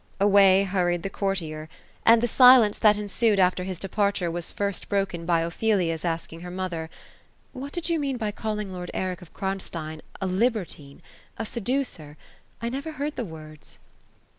Away hurried the courtier ; and the ailence that ensued after his departure, was first broken, by Ophelia's asking her mother, ^ what did you mean by calling lord Eric of Kronstein a libertine? — a seducet? I never heard the words."